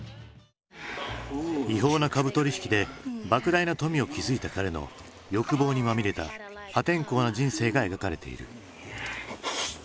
違法な株取引でばく大な富を築いた彼の欲望にまみれた破天荒な人生が描かれている。